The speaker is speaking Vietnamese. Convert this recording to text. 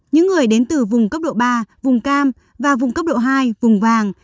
những người đến từ vùng cấp độ ba vùng cam và vùng cấp độ hai vùng vàng